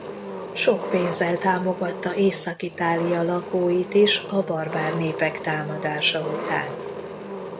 Sok pénzzel támogatta Észak-Itália lakóit is a barbár népek támadása után.